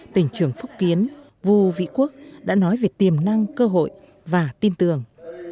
tỉnh trưởng phúc kiến vô vĩ quốc đã nói về tiềm năng cơ hội và tin tưởng